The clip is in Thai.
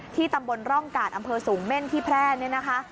ตำบลร่องกาดอำเภอสูงเม่นที่แพร่เนี่ยนะคะ